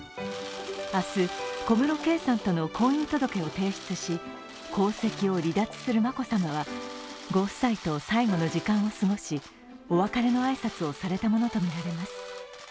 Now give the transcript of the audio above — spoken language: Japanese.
明日、小室圭さんとの婚姻届を提出し、皇籍を離脱する眞子さまはご夫妻と最後の時間を過ごしお別れの挨拶をされたものとみられます。